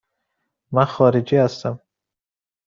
من خارجی هستم.